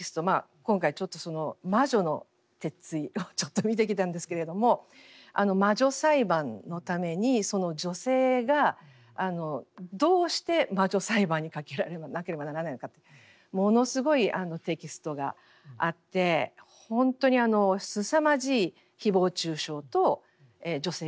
今回「魔女の鉄槌」をちょっと見てきたんですけれども魔女裁判のために女性がどうして魔女裁判にかけられなければならないのかってものすごいテキストがあって本当にすさまじい誹謗中傷と女性蔑視。